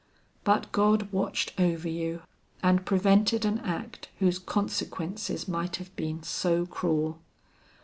But God watched over you and prevented an act whose consequences might have been so cruel.